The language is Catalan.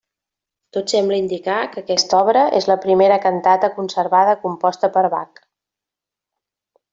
Tot sembla indicar que aquesta obra és la primera cantata conservada composta per Bach.